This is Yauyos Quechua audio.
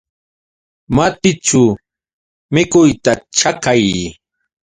Matićhu mikuyta chakay.